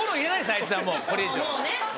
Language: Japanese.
あいつはもうこれ以上。